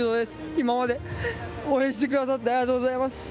今まで応援してくださってありがとうございます。